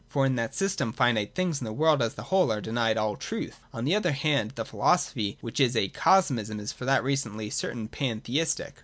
For in that system, finite things and the world as a whole are denied all truth. On the other hand, the philosophy which is Acosmism is for that reason certainly pantheistic.